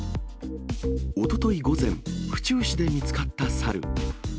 おととい午前、府中市で見つかった猿。